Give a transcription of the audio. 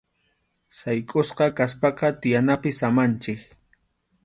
Sayk’usqa kaspaqa tiyanapi samanchik.